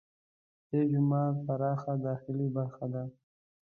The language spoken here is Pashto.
دې جومات پراخه داخلي برخه ده.